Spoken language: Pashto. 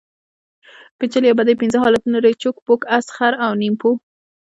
بیجل یا بډۍ پنځه حالتونه لري؛ چوک، پوک، اس، خر او نیمپو.